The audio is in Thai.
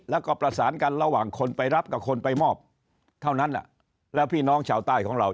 แล้วก็ประสานกันระหว่างคนไปรับกับคนไปมอบเท่านั้นแล้วพี่น้องชาวใต้ของเรา